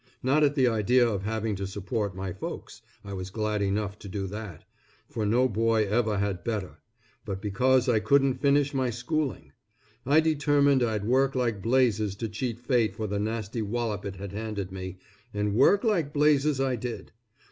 Not at the idea of having to support my folks, I was glad enough to do that, for no boy ever had better; but because I couldn't finish my schooling. I determined I'd work like blazes to cheat Fate for the nasty wallop it had handed me, and work like blazes I did.